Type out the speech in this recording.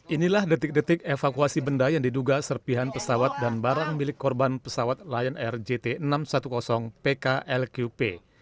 inilah detik detik evakuasi benda yang diduga serpihan pesawat dan barang milik korban pesawat lion air jt enam ratus sepuluh pklqp